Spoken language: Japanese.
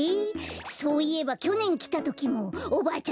そういえばきょねんきたときもおばあちゃんったら